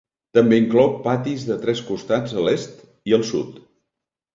També inclou patis de tres costats a l'est i al sud.